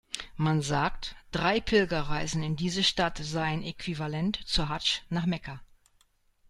Man sagt, drei Pilgerreisen in diese Stadt seien äquivalent zur Haddsch nach Mekka.